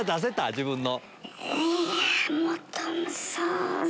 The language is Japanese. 自分の。